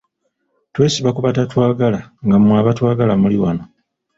Twesiba ku batatwagala nga mmwe abatwagala muli wano!